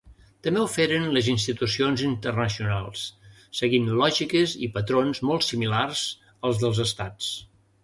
També ho feren les institucions internacionals, seguint lògiques i patrons molt similars als dels Estats.